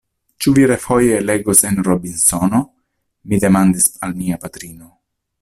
Ĉu vi refoje legos el Robinsono? mi demandis al mia patrino.